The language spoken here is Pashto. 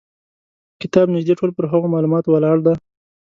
کتاب نیژدې ټول پر هغو معلوماتو ولاړ دی.